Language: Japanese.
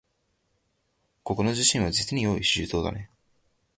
ここの主人はじつに用意周到だね